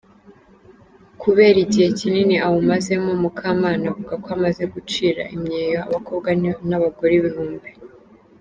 Kubera igihe kinini awumazemo, Mukamana avuga ko amaze gucira imyeyo abakobwa n’abagore ibihumbi.